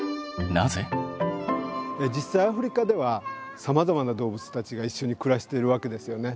実際アフリカではさまざまな動物たちがいっしょに暮らしているわけですよね。